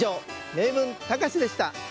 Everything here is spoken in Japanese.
「名文たかし」でした。